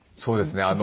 そうですね。